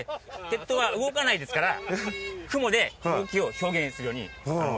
鉄塔は動かないですから雲で動きを表現するように工夫しています。